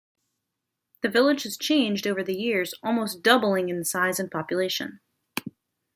The village has changed over the years almost doubling in size and population.